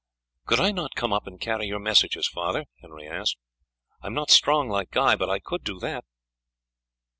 "Could I not come up and carry your messages, father?" Henry asked; "I am not strong like Guy, but I could do that."